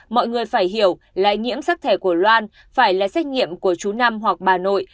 mọi người phải hiểu là nhiễm sắc thẻ của loan phải là xét nghiệm của chú năm hoặc bà nội